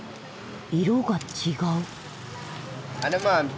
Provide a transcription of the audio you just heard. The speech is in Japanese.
色が違う。